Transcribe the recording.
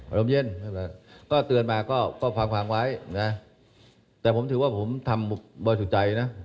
อารมณ์เย็นก็เตือนมาก็ฟังไว้นะแต่ผมถือว่าผมทำบริสุทธิ์ใจนะ